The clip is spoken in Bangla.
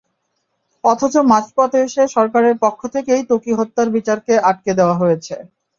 অথচ মাঝপথে এসে সরকারের পক্ষ থেকেই ত্বকী হত্যার বিচারকে আটকে দেওয়া হয়েছে।